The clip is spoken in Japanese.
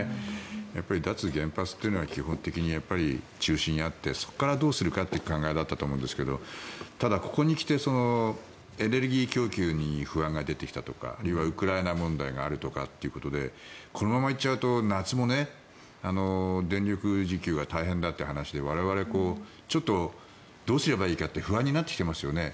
やっぱり脱原発は基本的に中止になってそこからどうするかって考えだったと思うんですがただ、ここに来てエネルギー供給に不安が出てきたとかあるいはウクライナ問題があるとかということでこのままいっちゃうと夏も電力需給が大変だという話で我々、ちょっとどうすればいいかって不安になってきていますよね。